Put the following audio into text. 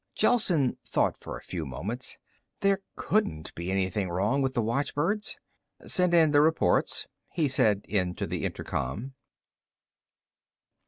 Gelsen thought for a few moments. There couldn't be anything wrong with the watchbirds. "Send in the reports," he said into the intercom.